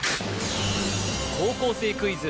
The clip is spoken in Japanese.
高校生クイズ